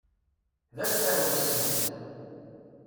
D asterwes kan!